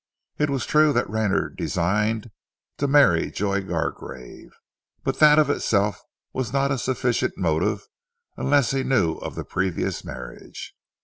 It was true that Rayner designed to marry Joy Gargrave, but that of itself was not a sufficient motive unless he knew of the previous marriage.